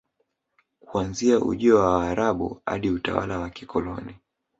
Kuanzia ujio wa Waarabu hadi utawala wa kikoloni